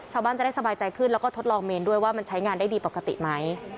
ชาวบ้านจะได้สบายใจขึ้นแล้วก็ทดลองเมนด้วยว่ามันใช้งานได้ดีปกติไหม